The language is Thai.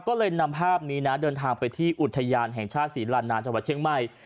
ก็เลยนำภาพนี้นะเดินทางไปที่อุทยานแห่งชาติศรีลานานจังหวัดเชียงใหม่